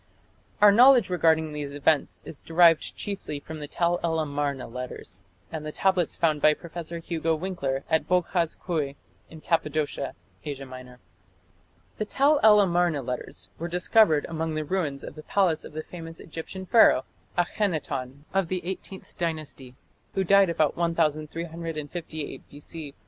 Our knowledge regarding these events is derived chiefly from the Tell el Amarna letters, and the tablets found by Professor Hugo Winckler at Boghaz Köi in Cappadocia, Asia Minor. The Tell el Amarna letters were discovered among the ruins of the palace of the famous Egyptian Pharaoh, Akhenaton, of the Eighteenth Dynasty, who died about 1358 B.C.